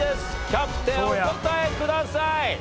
キャプテンお答えください。